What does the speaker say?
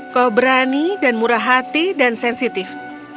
kau berani dan murah hati dan sensitif